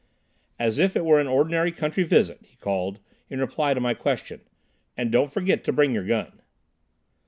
"As if it were an ordinary country visit," he called, in reply to my question; "and don't forget to bring your gun."